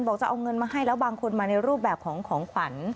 บอกจะเอาเงินมาให้แล้วบางคนมาในรูปแบบของของขวัญ